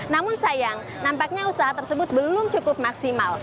namun sayang nampaknya usaha tersebut belum cukup maksimal